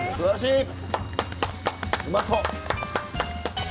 うまそう！